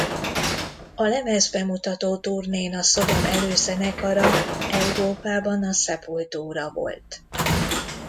A lemezbemutató turnén a Sodom előzenekara Európában a Sepultura volt.